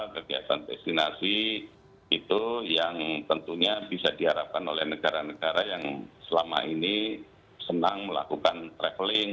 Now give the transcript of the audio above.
kegiatan destinasi itu yang tentunya bisa diharapkan oleh negara negara yang selama ini senang melakukan traveling